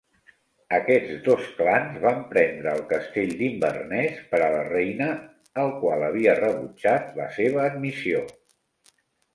Aquests dos clans van prendre el Castell d'Inverness per a la Reina, el qual havia rebutjat la seva admissió.